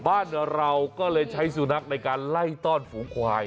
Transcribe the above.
บ้านเราก็เลยใช้สุนัขในการไล่ต้อนฝูงควาย